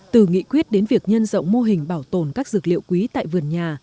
từ nghị quyết đến việc nhân rộng mô hình bảo tồn các dược liệu quý tại vườn nhà